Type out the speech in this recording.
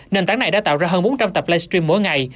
nền tảng này đã tạo ra hơn bốn trăm linh tập live stream mỗi ngày